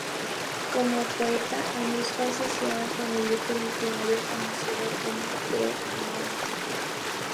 Como poeta, Amis fue asociado con el grupo literario conocido como The Movement.